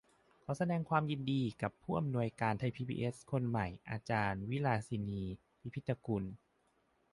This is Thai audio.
ขอแสดงความยินดีกับผู้อำนวยการไทยพีบีเอสคนใหม่อาจารย์วิลาสินี พิพิธกุล